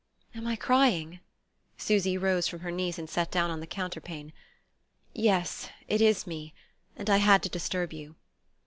"Am I crying?" Susy rose from her knees and sat down on the counterpane. "Yes, it is me. And I had to disturb you."